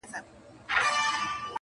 هسې نه چې په دونيا پسې زهير يم.